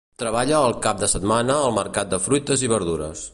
Treballa el cap de setmana al mercat de fruites i verdures.